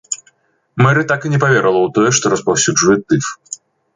Мэры так і не паверыла ў тое, што распаўсюджвае тыф.